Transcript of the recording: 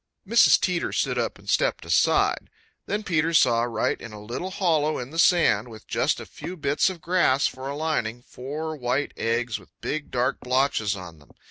Mrs. Teeter stood up and stepped aside. Then Peter saw right in a little hollow in the sand, with just a few bits of grass for a lining, four white eggs with big dark blotches on them.